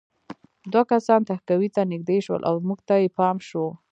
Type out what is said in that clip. دوه کسان تهکوي ته نږدې شول او موږ ته یې پام شو